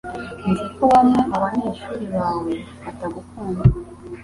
Nzi ko bamwe mubanyeshuri bawe batagukunda.